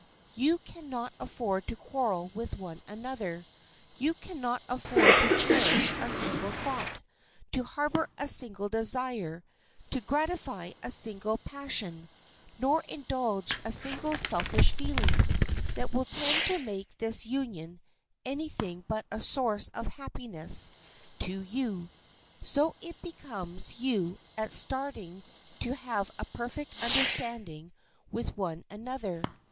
You can not afford to quarrel with one another. You can not afford to cherish a single thought, to harbor a single desire, to gratify a single passion, nor indulge a single selfish feeling, that will tend to make this union any thing but a source of happiness to you. So it becomes you at starting to have a perfect understanding with one another.